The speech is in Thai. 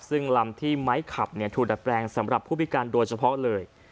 ซึ่งลำที่ไม้ขับถูกดัดแปลงสำหรับผู้พิการโดยเฉพาะเลย